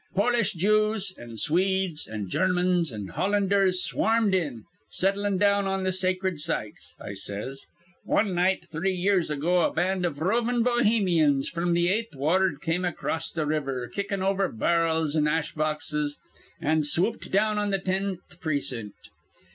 Polish Jews an' Swedes an' Germans an' Hollanders swarmed in, settlin' down on th' sacred sites,' I says. 'Wan night three years ago, a band iv rovin' Bohemians fr'm th' Eighth Ward come acrost th' river, kickin' over bar'ls an' ash boxes, an' swooped down on th' tenth precint.